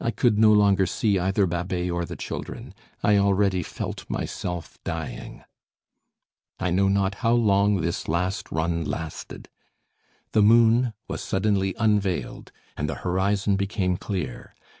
I could no longer see either Babet or the children. I already felt myself dying. I know not how long this last run lasted. The moon was suddenly unveiled, and the horizon became clear.